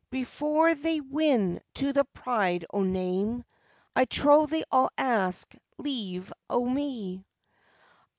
Before they win to the Pride o' Name, I trow they all ask leave o' me.